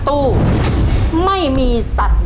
ตัวเลือกที่หนึ่ง